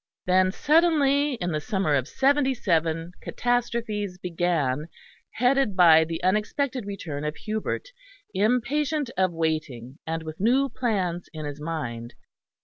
Then, suddenly, in the summer of '77, catastrophes began, headed by the unexpected return of Hubert, impatient of waiting, and with new plans in his mind.